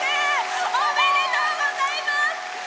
おめでとうございます！